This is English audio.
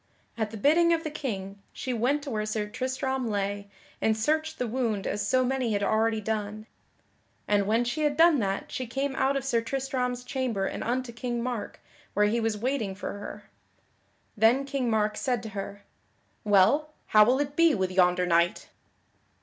At the bidding of the King, she went to where Sir Tristram lay, and searched the wound as so many had already done. And when she had done that she came out of Sir Tristram's chamber and unto King Mark, where he was waiting for her. Then King Mark said to her: "Well, how will it be with yonder knight?"